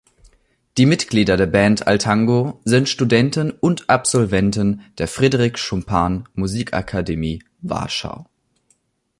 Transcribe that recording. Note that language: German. Die Mitglieder der Band al Tango sind Studenten und Absolventen der Fryderyk-Chopin-Musikakademie Warschau.